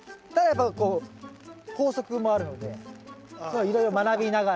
ただやっぱこう法則もあるのでいろいろ学びながら。